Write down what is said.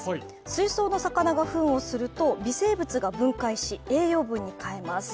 水槽の魚がふんをすると微生物が分解し、栄養分に変えます。